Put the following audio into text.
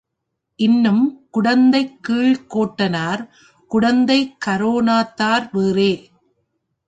இன்னும் குடந்தைக் கீழ்க்கோட்டனார், குடந்தை காரோணத்தார் வேறே.